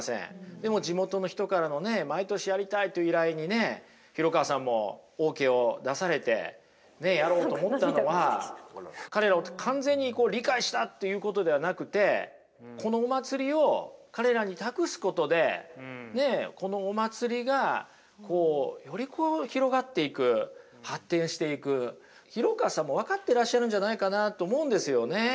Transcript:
でも地元人からのね毎年やりたいという依頼にね廣川さんもＯＫを出されてやろうと思ったのは彼らを完全に理解したっていうことではなくてこのお祭りを彼らに託すことでね、このお祭りがより広がっていく、発展していく廣川さんも分かってらっしゃるんじゃないかなと思うんですよね。